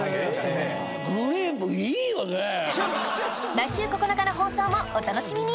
来週９日の放送もお楽しみに！